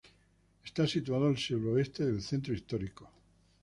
Está situado al suroeste del centro histórico.